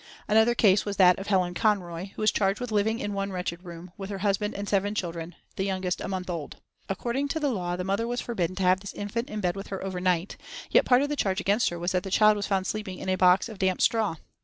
Another case was that of Helen Conroy, who was charged with living in one wretched room, with her husband and seven children, the youngest a month old. According to the law the mother was forbidden to have this infant in bed with her overnight, yet part of the charge against her was that the child was found sleeping in a box of damp straw.